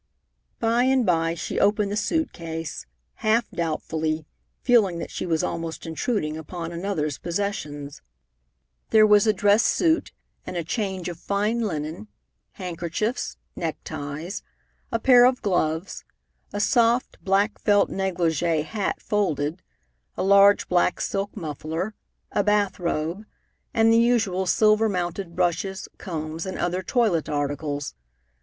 By and by, she opened the suit case, half doubtfully, feeling that she was almost intruding upon another's possessions. There were a dress suit and a change of fine linen, handkerchiefs, neckties, a pair of gloves, a soft, black felt negligée hat folded, a large black silk muffler, a bath robe, and the usual silver mounted brushes, combs, and other toilet articles.